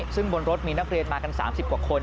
ซึ่งบนรถมีนักเรียนมากัน๓๐กว่าคน